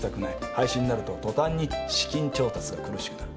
廃止になると途端に資金調達が苦しくなる。